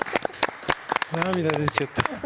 涙出ちゃった。